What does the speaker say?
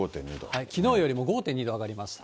きのうよりも５．２度上がりました。